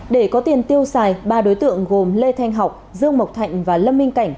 để có tiền tiêu xài ba đối tượng gồm lê thanh học dương mộc thạnh và lâm minh cảnh